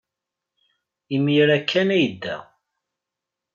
Imir-a kan ay yedda.